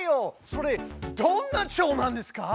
それどんなチョウなんですか？